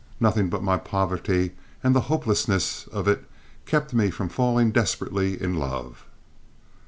Nothing but my poverty and the hopelessness of it kept me from falling desperately in love.